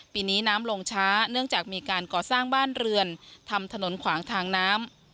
ปีนี้น้ำลงช้าเนื่องจากมีการก่อสร้างบ้านเรือนทำถนนขวางทางน้ำ